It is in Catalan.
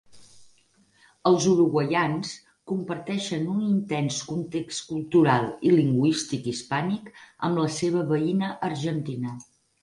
Els uruguaians comparteixen un intens context cultural i lingüístic hispànic amb la seva veïna Argentina.